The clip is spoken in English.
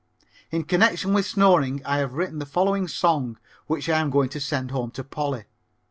In connection with snoring I have written the following song which I am going to send home to Polly.